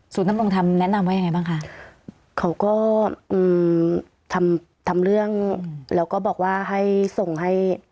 นำรงธรรมแนะนำว่ายังไงบ้างคะเขาก็อืมทำทำเรื่องแล้วก็บอกว่าให้ส่งให้